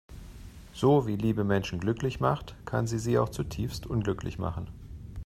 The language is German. So wie Liebe Menschen glücklich macht, kann sie sie auch zutiefst unglücklich machen.